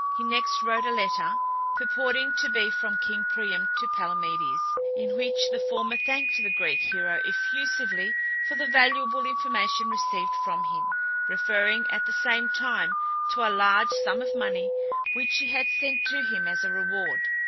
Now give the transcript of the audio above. He next wrote a letter, purporting to be from king Priam to Palamedes, in which the former thanked the Greek hero effusively for the valuable information received from him, referring at the same time to a large sum of money which he had sent to him as a reward.